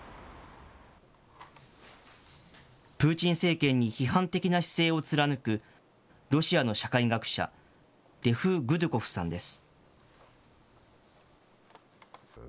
プーチン政権に批判的な姿勢を貫く、ロシアの社会学者、レフ・グドゥコフさんです。